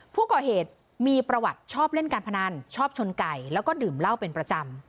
ผู้ก่อเหตุมีประวัติชอบเล่นการพนันชอบชนไก่แล้วก็ดื่มเหล้าเป็นประจำ